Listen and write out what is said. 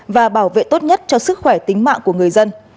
và bảo vệ tốt nhất cho sức khỏe tính mạng của người dân